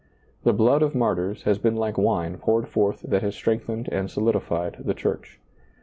The blood of martyrs has been like wine poured forth that has strength ened and solidified the Church.